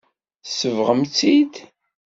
Tsebɣem-tt-id.